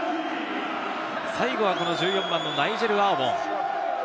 最後は１４番のナイジェル・アーウォン。